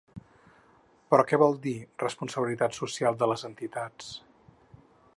Però què vol dir responsabilitat social de les entitats?